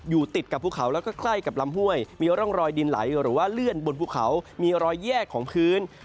ติดกับภูเขาแล้วก็ใกล้กับลำห้วยมีร่องรอยดินไหลหรือว่าเลื่อนบนภูเขามีรอยแยกของพื้น